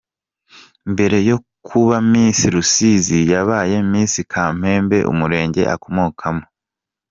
Mbere yo kuba Miss Rusizi, yabaye Miss Kamembe, umurenge akomokamo.